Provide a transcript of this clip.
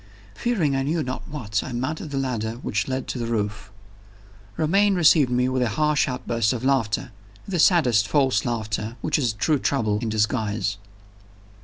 Fearing I knew not what, I mounted the ladder which led to the roof. Romayne received me with a harsh outburst of laughter that saddest false laughter which is true trouble in disguise.